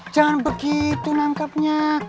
jangan begitu nangkepnya